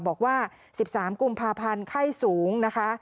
บอกว่า๑๓กุมภาพันธ์ไข้สูงนะคะ